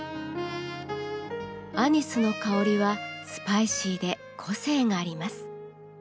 アニスの香りはスパイシーで個性があります。